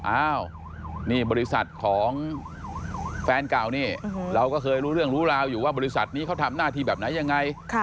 อ้าวนี่บริษัทของแฟนเก่านี่เราก็เคยรู้เรื่องรู้ราวอยู่ว่าบริษัทนี้เขาทำหน้าที่แบบไหนยังไง